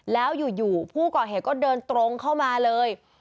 แล้วอยู่ผู้ก่อเหตุก็เดินตรงเข้ามาเลย